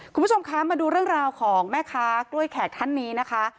คุณผู้ชมคะมาดูเรื่องราวของแม่ค้ากล้วยแขกท่านนี้นะคะ